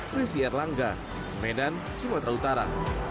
presiden langga medan sumatera utara